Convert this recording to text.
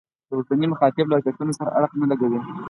د اوسني مخاطب له واقعیتونو سره اړخ نه لګوي.